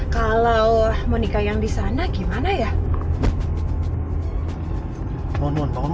kalau jalan ini tidak bisa berubah maka saya akan mencoba untuk mencoba jalan ini